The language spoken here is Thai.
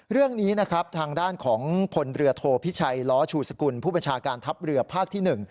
เรื่องนี้นะครับทางด้านของพลเรือโทพิชัยล้อชูสกุลผู้บัญชาการทัพเรือภาคที่๑